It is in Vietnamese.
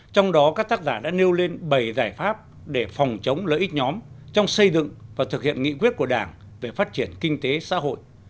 trong đó các tác giả đã nêu lên bảy giải pháp để phòng chống lợi ích nhóm trong xây dựng và thực hiện nghị quyết của đảng về phát triển kinh tế xã hội